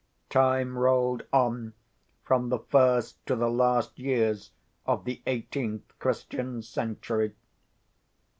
Time rolled on from the first to the last years of the eighteenth Christian century.